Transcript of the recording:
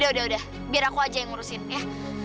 udah udah biar aku aja yang ngurusin ya